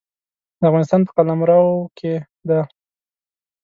د افغانستان په قلمرو کې دی.